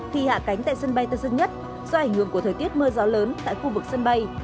khi hạ cánh tại sân bay tân sơn nhất do ảnh hưởng của thời tiết mưa gió lớn tại khu vực sân bay